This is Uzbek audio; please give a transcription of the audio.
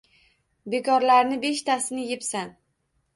Bekorlarni beshtasini yebsan!